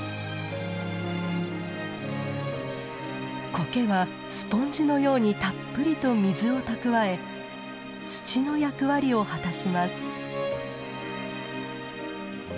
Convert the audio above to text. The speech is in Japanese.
コケはスポンジのようにたっぷりと水を蓄え土の役割を果たします。